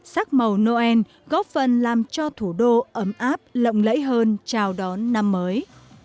sắc màu noel góp phần làm cho thủ đô ấm áp lộng lẫy hơn chào đón năm mới